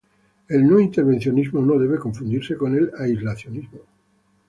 El no intervencionismo no debe confundirse con el aislacionismo.